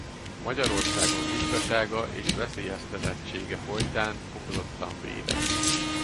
Magyarországon ritkasága és veszélyeztetettsége folytán fokozottan védett.